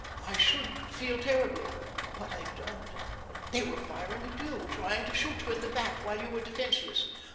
I should feel terribly, but I don't. They were firing at you, trying to shoot you in the back while you were defenseless.